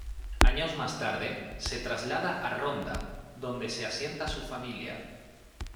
Años más tarde se traslada a Ronda, donde se asienta su familia.